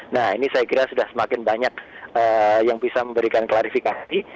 nah ini saya kira sudah semakin banyak yang bisa memberikan klarifikasi